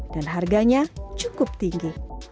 dan harganya cukup tinggi